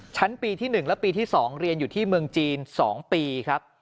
ชั้นปีที่๑และปีที่๒เรียนอยู่ที่เมืองจีน๒ปีครับ